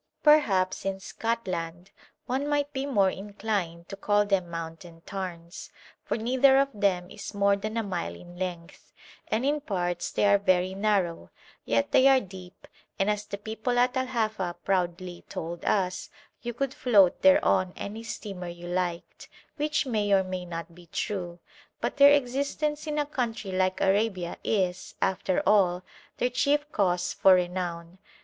Perhaps in Scotland one might be more inclined to call them mountain tarns, for neither of them is more than a mile in length, and in parts they are very narrow; yet they are deep, and, as the people at Al Hafa proudly told us, you could float thereon any steamer you liked, which may or may not be true, but their existence in a country like Arabia is, after all, their chief cause for renown.